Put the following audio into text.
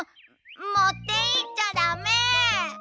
もっていっちゃだめ！